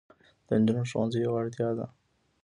د نجونو ښوونځي یوه اړتیا ده.